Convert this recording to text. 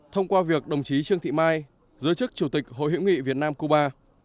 thông qua việc đồng chí trương thị mai giữ chức chủ tịch hội hữu nghị việt nam cuba